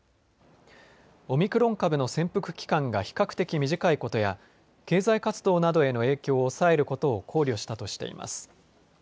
オミクロン株の潜伏期間が比較的短いことや経済活動などへの影響を抑えることを考慮したとしています。